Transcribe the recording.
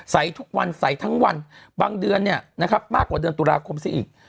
ใส่ทุกวันใส่ทั้งวันบางเดือนเนี่ยนะครับมากกว่าเดือนตุลาคมซะอีก